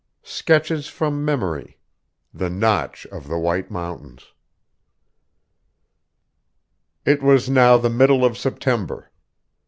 SKETCHES FROM MEMORY THE NOTCH OF THE WHITE MOUNTAINS IT was now the middle of September.